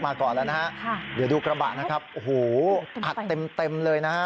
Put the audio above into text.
ก่อนแล้วนะฮะเดี๋ยวดูกระบะนะครับโอ้โหอัดเต็มเต็มเลยนะฮะ